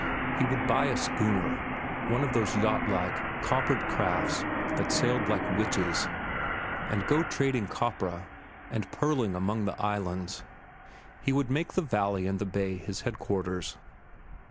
He would buy a schooner—one of those yacht like, coppered crafts that sailed like witches—and go trading copra and pearling among the islands. He would make the valley and the bay his headquarters.